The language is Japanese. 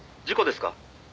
事故ですか？」